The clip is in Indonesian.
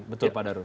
betul pak daru